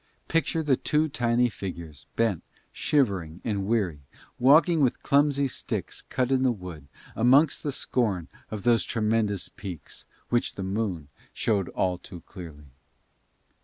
Picture the two tiny figures, bent, shivering and weary, walking with clumsy sticks cut in the wood, amongst the scorn of those tremendous peaks, which the moon showed all too clearly.